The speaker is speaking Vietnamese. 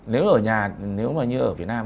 nếu ở nhà nếu mà như ở việt nam